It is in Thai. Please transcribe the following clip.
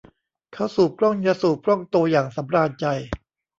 เขาสูบกล้องยาสูบกล้องโตอย่างสำราญใจ